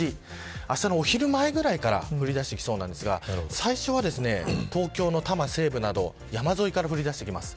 あしたのお昼前ぐらいから降り出してきそうなんですが最初は東京の多摩西部など山沿いから降りだしてきます。